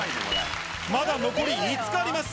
まだ残り５日あります。